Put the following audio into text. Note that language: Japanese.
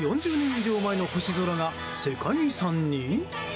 以上前の星空が世界遺産に？